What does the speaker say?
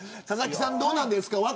佐々木さんどうなんですか。